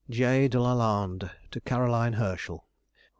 J. DE LA LANDE TO CAROLINE HERSCHEL.